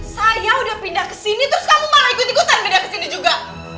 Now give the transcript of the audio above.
saya udah pindah kesini terus kamu malah ikut ikutan pindah kesini juga